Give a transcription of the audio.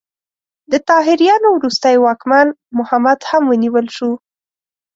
د طاهریانو وروستی واکمن محمد هم ونیول شو.